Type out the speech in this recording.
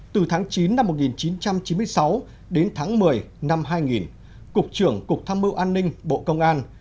từ tháng chín năm một nghìn chín trăm chín mươi sáu đến tháng một mươi năm hai nghìn cục trưởng cục tham mưu an ninh bộ công an